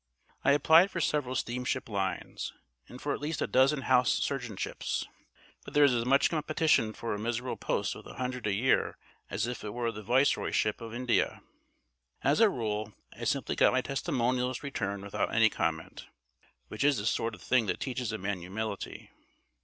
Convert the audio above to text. I applied for several steamship lines, and for at least a dozen house surgeonships; but there is as much competition for a miserable post with a hundred a year as if it were the Viceroyship of India. As a rule, I simply get my testimonials returned without any comment, which is the sort of thing that teaches a man humility.